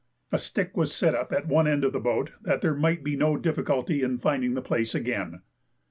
A stick was set up at one end of the boat that there might be no difficulty in finding the place again.